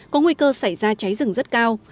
có nguy cơ xảy ra cháy rừng rất cao